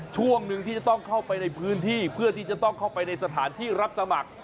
ช่วงหนึ่งที่จะต้องเข้าไปในพื้นที่เพื่อที่จะต้องเข้าไปในสถานที่รับสมัคร